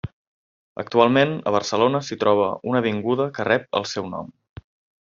Actualment a Barcelona s'hi troba una avinguda que rep el seu nom.